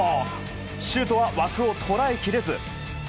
シュートは枠を捉えきれず。